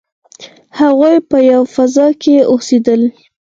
هغوی په یوه فضا کې اوسیدل.